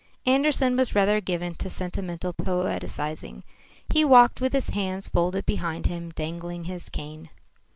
Andersen was rather given to sentimental poetising. He walked with his hands folded behind him, dangling his cane.